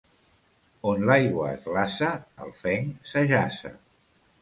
On l'aigua es glaça el fenc s'ajaça.